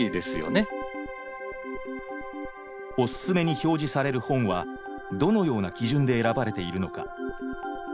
なるほどあの「おすすめ」に表示される本はどのような基準で選ばれているのか。